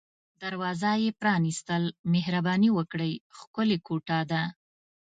دروازه یې پرانیستل، مهرباني وکړئ، ښکلې کوټه ده.